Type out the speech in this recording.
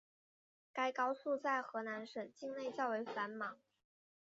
该高速在河南省境内较为繁忙。